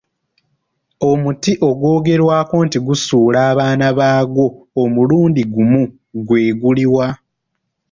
Omuti ogwogerwako nti gusuula abaana baagwo omulundi gumu gwe guli wa?